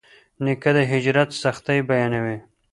نیکه د هجرت سختۍ بیانوي.